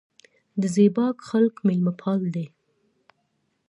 د زیباک خلک میلمه پال دي